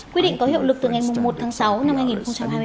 quy định có hiệu lực từ ngày một tháng sáu năm hai nghìn hai mươi bốn